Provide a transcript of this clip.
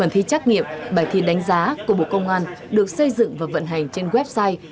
thi trắc nghiệm bài thi đánh giá của bộ công an được xây dựng và vận hành trên website